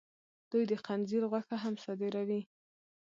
دوی د خنزیر غوښه هم صادروي.